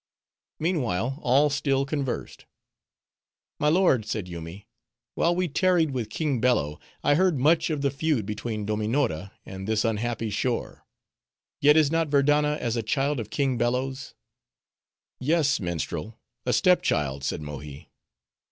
Meanwhile all still conversed. "My lord," said Yoomy, "while we tarried with King Bello, I heard much of the feud between Dominora and this unhappy shore. Yet is not Verdanna as a child of King Bello's?" "Yes, minstrel, a step child," said Mohi.